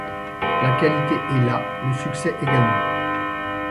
La qualité est là, le succès également.